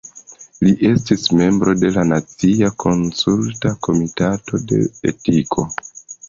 Li estis membro de la Nacia Konsulta Komitato pri Etiko.